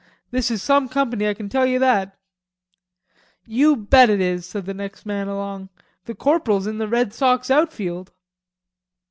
"This is some company, I can tell you that." "You bet it is," said the next man along. "The corporal's in the Red Sox outfield."